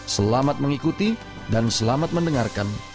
selamat mengikuti dan selamat mendengarkan